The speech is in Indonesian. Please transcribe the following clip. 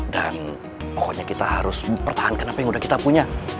dan pokoknya kita harus pertahankan apa yang udah kita punya